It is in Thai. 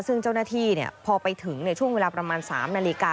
ซึ่งเจ้าหน้าที่พอไปถึงช่วงเวลาประมาณ๓นาฬิกา